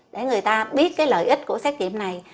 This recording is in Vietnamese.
để người ta biết cái lợi ích của xét nghiệm này